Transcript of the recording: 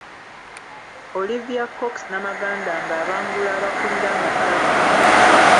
Olivia Cox Namaganda ng’abangula abakulira amatabi.